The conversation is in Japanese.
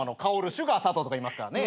シュガー佐藤とかいますからね。